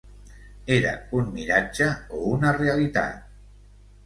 Era un miratge o una realitat?